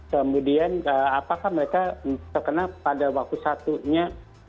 kemudian apakah mereka terkena pada waktu satunya